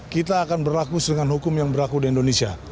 kita akan berlaku dengan hukum yang berlaku di indonesia